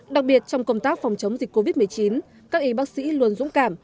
đặc biệt trong công tác phòng chống dịch covid một mươi chín các y bác sĩ luôn dũng cảm